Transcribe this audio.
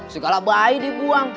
segala bayi dibuang